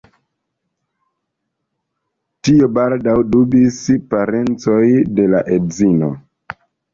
Tion baldaŭ dubis parencoj de la edzino.